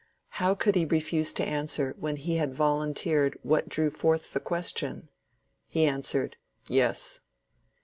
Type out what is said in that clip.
How could he refuse to answer when he had volunteered what drew forth the question? He answered, "Yes."